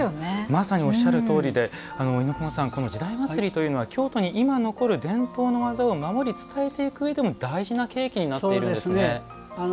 まさにおっしゃるとおりで「時代祭」というのは京都に今、残る伝統の技を守り伝えていくためにも大事な契機になっていますね。